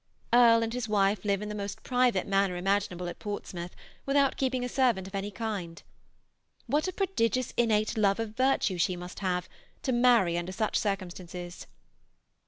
Earle and his wife live in the most private manner imaginable at Portsmouth, without keeping a servant of any kind. What a prodigious innate love of virtue she must have, to marry under such circumstances!